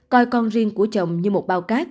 coi con riêng của chồng như một bao cát